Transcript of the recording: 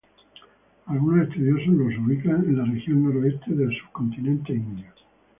Algunos estudiosos los ubican en la región noroeste del subcontinente indio.